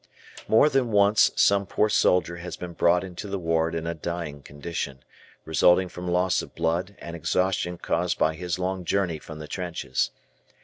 More than once some poor soldier has been brought into the ward in a dying condition, resulting from loss of blood and exhaustion caused by his long journey from the trenches.